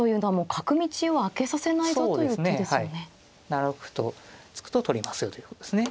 ７六歩と突くと取りますよということですね。